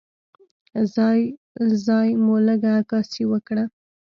ځای ځای مو لږه عکاسي وکړه.